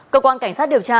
cơ quan cảnh sát điều trị